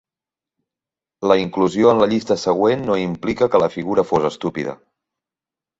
La inclusió en la llista següent no implica que la figura fos estúpida.